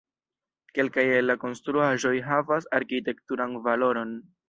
Kelkaj el la konstruaĵoj havas arkitekturan valoron.